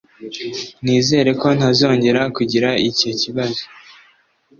Nizere ko ntazongera kugira icyo kibazo.